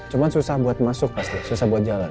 cuma susah buat masuk pasti susah buat jalan